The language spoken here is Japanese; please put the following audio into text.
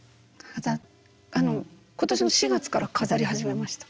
あの今年の４月から飾り始めました。